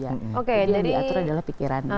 jadi yang diatur adalah pikiran